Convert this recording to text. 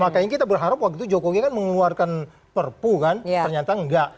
maka yang kita berharap waktu itu jokowi mengeluarkan perpu kan ternyata nggak